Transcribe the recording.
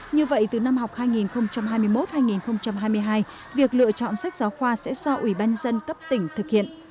như vậy từ năm học hai nghìn hai mươi một hai nghìn hai mươi hai việc lựa chọn sách giáo khoa sẽ do ủy ban dân cấp tỉnh thực hiện